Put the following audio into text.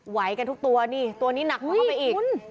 ไหวกันทุกตัวนี่ตัวนี้หนักกว่าเข้าไปอีก